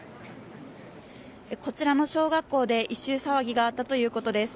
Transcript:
こちらの小学校で異臭騒ぎがあったということです。